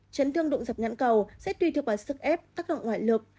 chấn thương đụng dập nhãn cầu sẽ tuy thuộc vào sức ép tác động ngoại lực